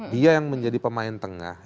dia yang menjadi pemain tengah